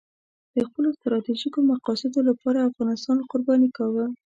د خپلو ستراتیژیکو مقاصدو لپاره افغانستان قرباني کاوه.